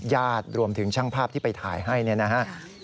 ญาติรวมถึงช่างภาพที่ไปถ่ายให้เนี่ยนะฮะ